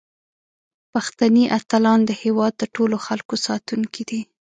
پښتني اتلان د هیواد د ټولو خلکو ساتونکي دي.